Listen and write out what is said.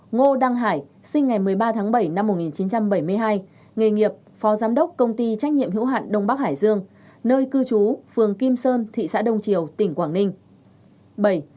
hai ngô đăng hải sinh ngày một mươi ba tháng bảy năm một nghìn chín trăm bảy mươi hai nghề nghiệp phó giám đốc công ty trách nhiệm hữu hạn đông bắc hải dương nơi cư trú phường kim sơn thị xã đông triều tỉnh quảng ninh